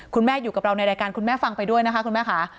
อยู่กับเราในรายการคุณแม่ฟังไปด้วยนะคะคุณแม่ค่ะ